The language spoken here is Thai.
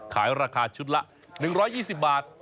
ขายราคาชุดละ๑๒๐บาท